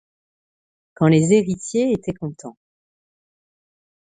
Quand les héritiers étaient contents.